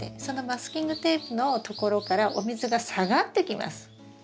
そのマスキングテープのところからお水が下がってきます。